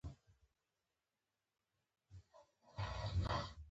ما له کړکۍ نه بهر وکتل او ځواب مي ورکړ.